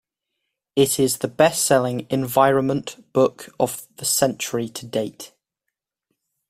It is the best-selling environment book of the century to date.